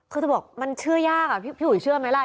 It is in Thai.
คือจะบอกมันเชื่อยากอะพี่อุ๋ยเชื่อไหมล่ะ